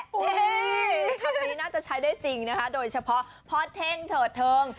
นี่คำนี้น่าจะใช้ได้จริงนะคะโดยเฉพาะพ่อเท่งเถิดเทิง